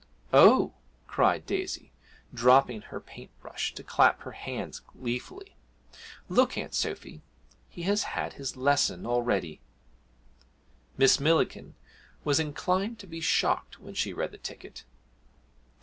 'Oh!' cried Daisy, dropping her paint brush to clap her hands gleefully, 'Look, Aunt Sophy, he has had his lesson already!' Miss Millikin was inclined to be shocked when she read the ticket.